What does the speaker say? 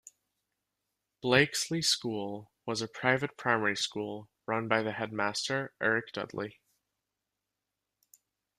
Blakesley School was a private primary school run by the Headmaster Eric Dudley.